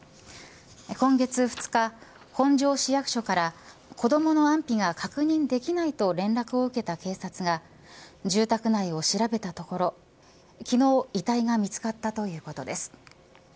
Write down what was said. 今月２日本庄市役所から子どもの安否が確認できないと連絡を受けた警察が住宅内を調べたところ昨日、遺体が見つかったということです。